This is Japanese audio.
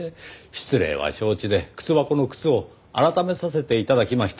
失礼は承知で靴箱の靴を改めさせて頂きました。